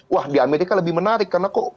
wah di amerika lebih menarik karena kok